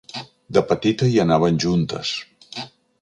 De petita hi anaven juntes.